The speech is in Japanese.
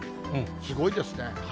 すごいですね。